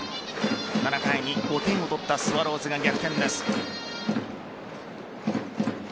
７回に５点を取ったスワローズが逆転です。